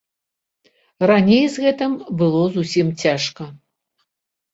Раней з гэтым было зусім цяжка.